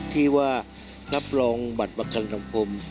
ที่ว่ารับรองบัตรประกันสังคม